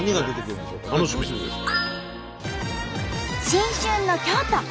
新春の京都。